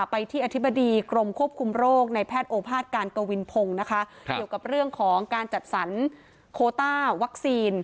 ไปที่อธิบดีกรมควบคุมโรคในแพทย์โอภาษการกวินพงศ์นะคะเกี่ยวกับเรื่องของการจัดสรรโคต้าวัคซีน